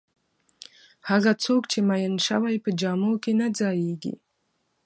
هغه څوک چې میین شوی په جامو کې نه ځایېږي.